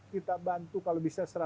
kita bantu kalau bisa